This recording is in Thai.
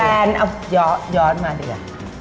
แฟนเอาย้อนมาดีกว่า